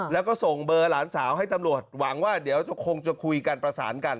แล้วก็ส่งเบอร์หลานสาวให้ตำรวจหวังว่าเดี๋ยวคงจะคุยกันประสานกัน